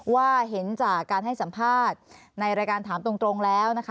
ว่าเห็นจากการให้สัมภาษณ์ในรายการถามตรงแล้วนะคะ